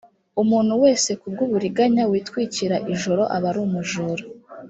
umuntu wese ku bw’uburiganya witwikira ijoro aba ari umujura